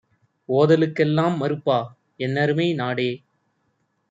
ஓதலுக்கெல் லாம்மறுப்பா? என்னருமை நாடே